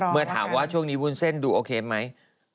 เมื่อถามว่าช่วงนี้วุ้นเส้นดูโอเคไหม